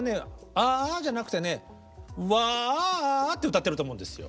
「ああ」じゃなくてね「わああ」って歌ってると思うですよ。